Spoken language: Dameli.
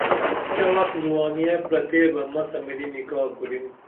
کیہ وختہ زُوانیہ پرتے بہ مسہ ملی نکاہ کُریم